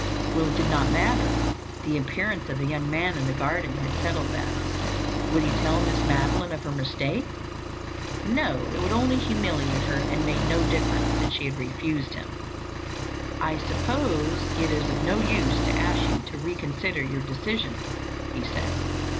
Well, it did not matter—the appearance of the young man in the garden had settled that. Would he tell Miss Madeline of her mistake? No, it would only humiliate her and it made no difference, since she had refused him. "I suppose it is of no use to ask you to reconsider your decision?" he said.